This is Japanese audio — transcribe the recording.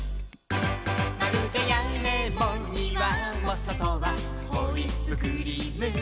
「まるでやねもにわもそとはホイップクリーム」